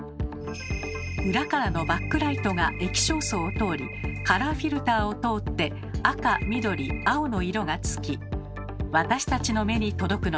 裏からのバックライトが液晶層を通りカラーフィルターを通って赤緑青の色がつき私たちの目に届くのです。